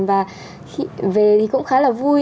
và về thì cũng khá là vui